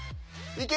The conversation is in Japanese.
いけ！